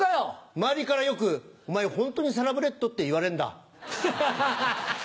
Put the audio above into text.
周りからよく「お前ホントにサラブレッド？」って言われんだ。ハハハ！